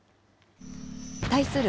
対する